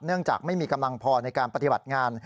จากไม่มีกำลังพอในการปฏิบัติงาน